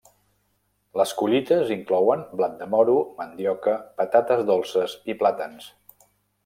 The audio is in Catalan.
Les collites inclouen blat de moro, mandioca, patates dolces, i plàtans.